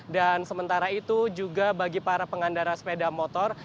dan sementara itu juga bagi para pengendara sepeda motor